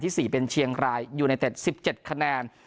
ที่สี่เป็นเชียงรายยูเนเต็ดสิบเจ็ดคะแนน